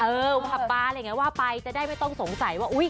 เออหวับป๊าว่าไปจะได้ไม่ต้องสงสัยว่า